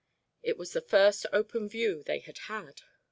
It was the first open view they had had.